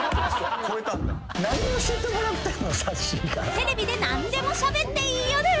［テレビで何でもしゃべっていい夜］